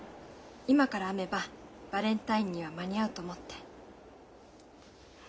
今から編めばバレンタインには間に合うと思って。